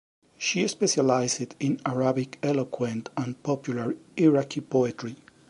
She specialized in Arabic eloquent and popular Iraqi poetry.